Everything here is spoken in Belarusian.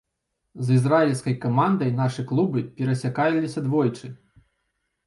З ізраільскай камандай нашы клубы перасякаліся двойчы.